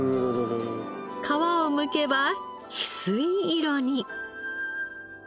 皮をむけばひすい色に。